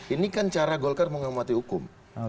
ini kan cara golkar mengamati hukum